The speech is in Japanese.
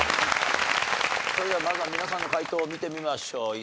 それではまずは皆さんの解答を見てみましょう。